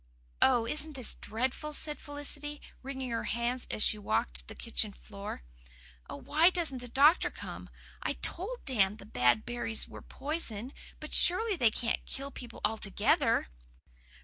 "Oh, isn't it dreadful!" said Felicity, wringing her hands as she walked the kitchen floor. "Oh, why doesn't the doctor come? I TOLD Dan the bad berries were poison. But surely they can't kill people ALTOGETHER."